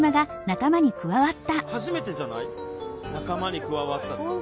仲間に加わったの。